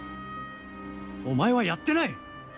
お前はやってない！